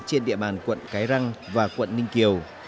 trên địa bàn quận cái răng và quận ninh kiều